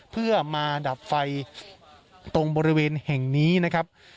เพื่อมาดับไฟตรงบริเวณแห่งนี้นะครับ